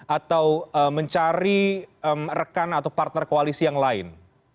atau mencari rekan atau partner koalisi yang lain